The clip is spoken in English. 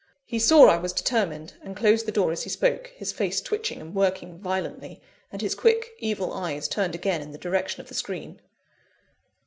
He saw I was determined, and closed the door as he spoke, his face twitching and working violently, and his quick, evil eyes turned again in the direction of the screen.